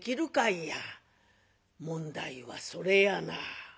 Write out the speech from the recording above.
「問題はそれやなあ」。